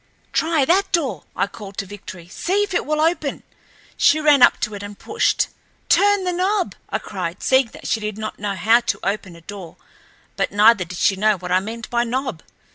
"Try that door," I called to Victory. "See if it will open." She ran up to it and pushed. "Turn the knob!" I cried, seeing that she did not know how to open a door, but neither did she know what I meant by knob.